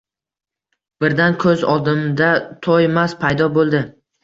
Birdan ko‘z oldimda Toymas paydo bo‘ldi